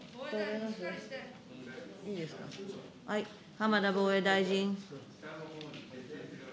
浜田防衛大臣。